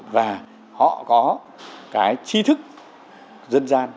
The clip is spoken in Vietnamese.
và họ có cái chi thức dân gian